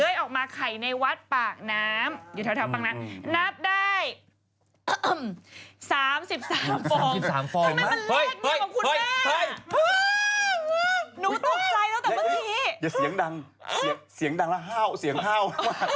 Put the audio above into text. อย่าเสียงดังเสียงดังเล่ะห้าว